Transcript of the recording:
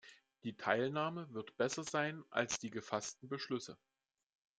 Die Teilnahme wird besser sein als die gefassten Beschlüsse.